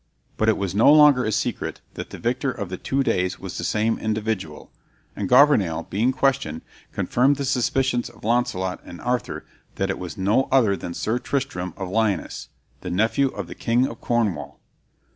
But it was no longer a secret that the victor of the two days was the same individual, and Gouvernail, being questioned, confirmed the suspicions of Launcelot and Arthur that it was no other than Sir Tristram of Leonais, the nephew of the king of Cornwall.